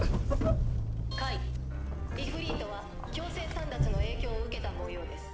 解イフリートは強制簒奪の影響を受けたもようです。